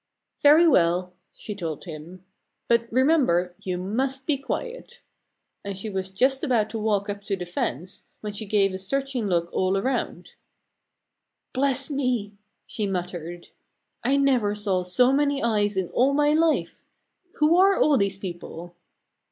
"Very well!" she told him. "But remember: You must be quiet!" And she was just about to walk up to the fence when she gave a searching look all around. "Bless me!" she muttered. "I never saw so many eyes in all my life. Who are all these people?"